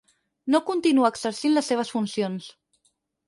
No continua exercint les seves funcions.